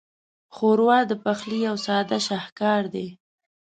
ښوروا د پخلي یو ساده شاهکار دی.